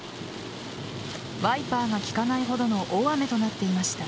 ワイパーが効かないほどの大雨となっていました。